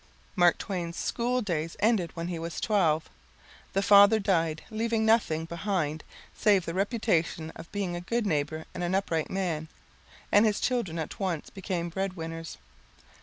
Mark Twain's school days ended when he was 12. The father died, leaving nothing behind save the reputation of being a good neighbor and an upright man and his children at once became bread winners.